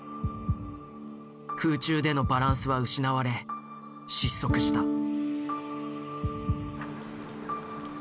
空中でのバランスは失われ失速した。